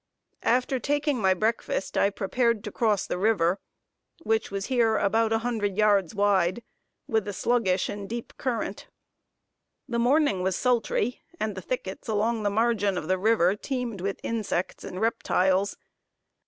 After taking my breakfast, I prepared to cross the river, which was here about a hundred yards wide, with a sluggish and deep current. The morning was sultry, and the thickets along the margin of the river teemed with insects and reptiles.